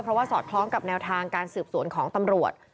เพราะว่าสอดคล้องกับแนวทางการสืบสวนของตำรวจ